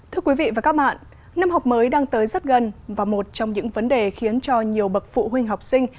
thưa quý vị và các bạn năm học mới đang tới rất gần và một trong những vấn đề khiến cho nhiều bậc phụ huynh học sinh